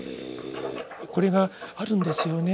これがあるんですよね。